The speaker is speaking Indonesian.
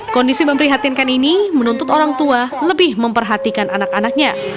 kondisi memprihatinkan ini menuntut orang tua lebih memperhatikan anak anaknya